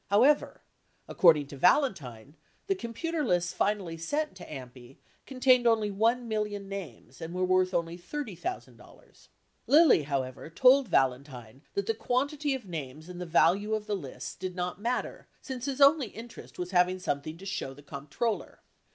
However, according to Valentine, the computer lists finally sent to AMPI contained only one million names and were worth only $30,000. Lilly, however, told Valentine that the quantity of names and the value of the lists did not matter since his only interest was having something to show the comp troller.